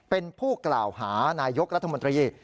เป็นผู้กล่าวหานายกรัฐมนตรี